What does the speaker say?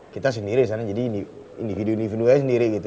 kita sendiri disana jadi individu individunya sendiri gitu